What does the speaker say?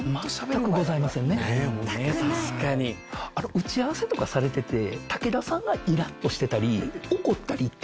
打ち合わせとかされてて武田さんがイラっとしてたり。